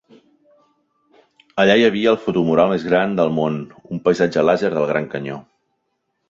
Allà hi havia el fotomural més gran del món, un paisatge làser del Gran Canyó.